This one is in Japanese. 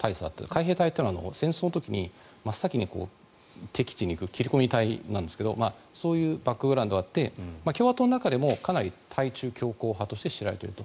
海兵隊というのは戦争の時に真っ先に敵地に行く切り込み隊なんですがそういうバックグラウンドがあって共和党の中でもかなり対中強硬派として知られていると。